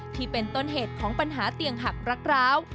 ที่เป็นต้นเหตุของปัญหาเตียงหักรักร้าว